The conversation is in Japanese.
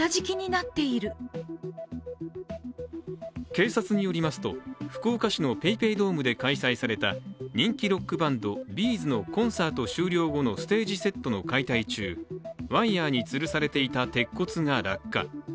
警察によりますと、福岡市のＰａｙＰａｙドームで開催された人気ロックバンドＢ’ｚのコンサート終了後のステージセットの解体中ワイヤーにつるされていた鉄骨が落下。